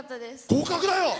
合格だよ！